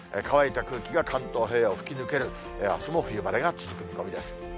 乾いた空気が関東平野を吹き抜ける、あすも冬晴れが続く見込みです。